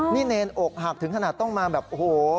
นี่เนนอกหักถึงขนาดต้องมาแบบโอ้โห